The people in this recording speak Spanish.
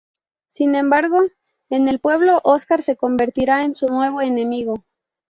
Sin embargo, en el pueblo Óscar se convertirá en su nuevo enemigo.